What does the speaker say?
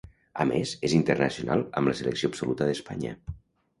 A més, és internacional amb la selecció absoluta d'Espanya.